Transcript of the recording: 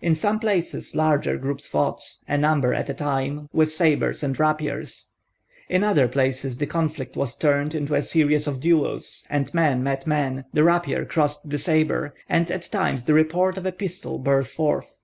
In some places larger groups fought, a number at a time, with sabres and rapiers; in other places the conflict was turned into a series of duels, and man met man, the rapier crossed the sabre, and at times the report of a pistol burst forth.